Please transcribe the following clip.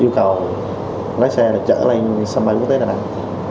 yêu cầu lái xe là trở lên sân bay quốc tế đà nẵng